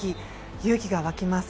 勇気が湧きます。